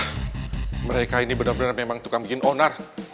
wah mereka ini benar benar memang tukang bikin onar